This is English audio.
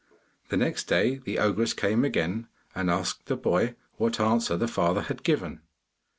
The next day the ogress came again, and asked the boy what answer the father had given.